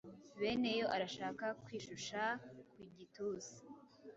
Beneyo arashaka kwishushaa ku gituza.